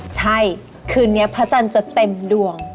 ใช่คืนนี้พระจันทร์จะเต็มดวง